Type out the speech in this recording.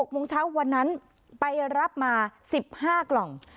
โมงเช้าวันนั้นไปรับมา๑๕กล่อง